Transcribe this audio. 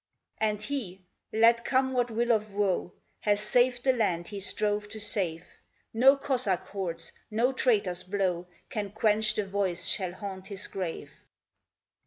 And he, let come what will of woe, Has saved the land he strove to save; No Cossack hordes, no traitor's blow, Can quench the voice shall haunt his grave.